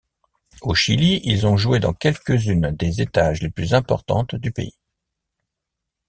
Au Chili, ils ont joué dans quelques-unes des étages les plus importantes du pays.